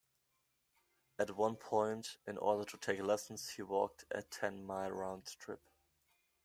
At one point, in order to take lessons, he walked a ten-mile round trip.